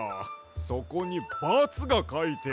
そこにバツがかいてある。